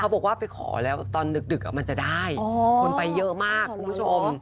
บอกว่าไปขอแล้วตอนดึกมันจะได้คนไปเยอะมากคุณผู้ชม